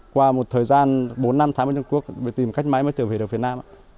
qua một thời gian bốn năm tháng với trung quốc để tìm cách máy mới trở về việt nam